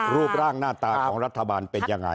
รูปร่างหน้าตาของรัฐบาลเป็นยังไง